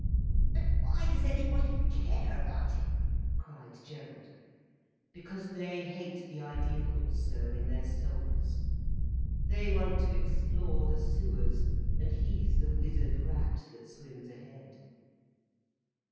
"But why does anybody care about him?" cried Gerald. "Because they hate the ideal also, in their souls. They want to explore the sewers, and he's the wizard rat that swims ahead."